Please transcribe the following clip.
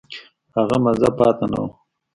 هغه مزه پاتې نه ده.